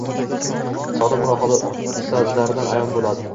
Sodda mulohazalardan ayon bo‘ladi.